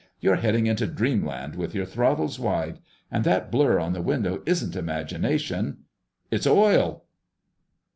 "You're heading into dreamland with your throttles wide. And that blur on the window isn't imagination—it's oil!"